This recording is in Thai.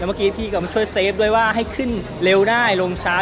เมื่อกี้พี่ก็มาช่วยเซฟด้วยว่าให้ขึ้นเร็วได้ลงช้า